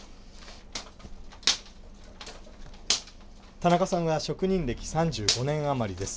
田中さんは職人歴３５年余りです。